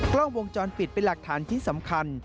กล้องวงจรปิดเป็นหลักฐานที่สำคัญ